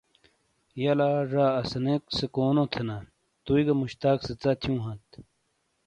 یہ لا زا،، اَسانے کونو تھینا۔ تُوئی گہ مشتاق سے ژَہ تھِیوں ہانت۔